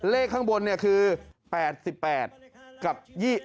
เลขข้างบนคือ๘๘กับ๖๕